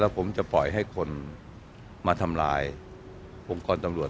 ผมจะปล่อยให้คนมาทำลายองค์กรตำรวจ